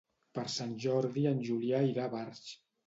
Per Sant Jordi en Julià irà a Barx.